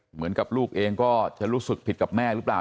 เหมือนกับลูกเองก็จะรู้สึกผิดกับแม่หรือเปล่า